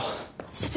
社長